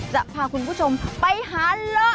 จะพาคุณผู้ชมไปหาเลิศ